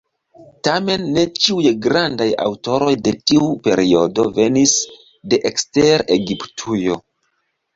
Tamen ne ĉiuj grandaj aŭtoroj de tiu periodo venis de ekster Egiptujo.